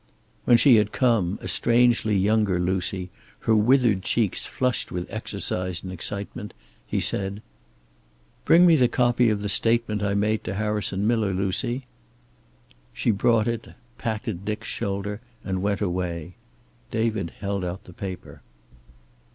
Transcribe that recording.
When she had come, a strangely younger Lucy, her withered cheeks flushed with exercise and excitement, he said: "Bring me the copy of the statement I made to Harrison Miller, Lucy." She brought it, patted Dick's shoulder, and went away. David held out the paper.